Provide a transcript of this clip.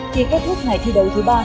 khi kết thúc ngày thi đấu thứ ba